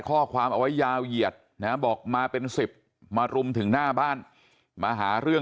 ข้อความเอาไว้ยาวเหยียดนะบอกมาเป็น๑๐มารุมถึงหน้าบ้านมาหาเรื่อง